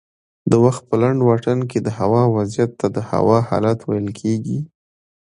د وخت په لنډ واټن کې دهوا وضعیت ته د هوا حالت ویل کېږي